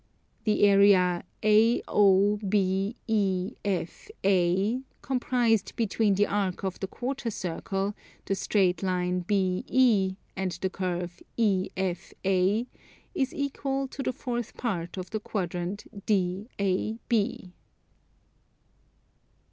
The area AOBEFA, comprised between the arc of the quarter circle, the straight line BE, and the curve EFA, is equal to the fourth part of the quadrant DAB.